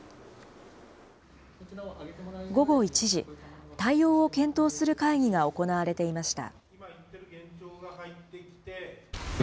午後１時、対応を検討する会議が行われていました。